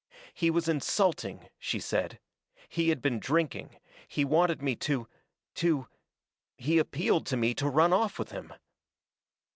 "He was insulting," she said. "He had been drinking. He wanted me to to he appealed to me to run off with him.